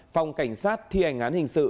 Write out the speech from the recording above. phòng cảnh sát thi hành án hình sự